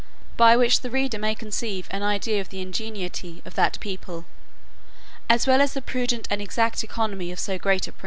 By which the reader may conceive an idea of the ingenuity of that people, as well as the prudent and exact economy of so great a prince.